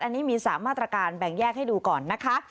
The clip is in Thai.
อันนี้มี๓มาตรการแบ่งแยกให้ดูก่อนนะคะ